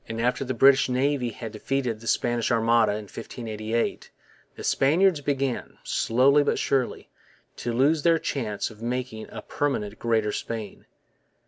After the English Navy had defeated the Spanish Armada in 1588 the Spaniards began, slowly but surely, to lose their chance of making a permanent Greater Spain.